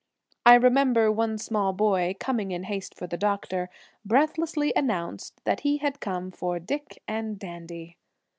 I remember one small boy, coming in haste for the doctor, breathlessly announced that he had come for "Dick and Dandy."